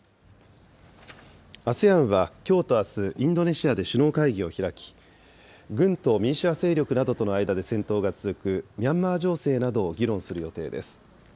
ＡＳＥＡＮはきょうとあす、インドネシアで首脳会議を開き、軍と民主派勢力などとの間で戦闘が続くミャンマー情勢などを議論する予定です。